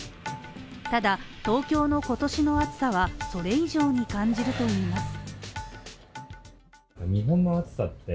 ただ、東京の今年の暑さはそれ以上に感じるといいます。